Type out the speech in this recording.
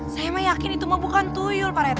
saya emang yakin itu mah bukan tuyul pak reta